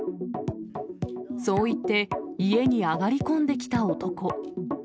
そう言って家に上がり込んできた男。